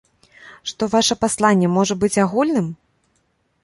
Што ваша пасланне можа быць агульным?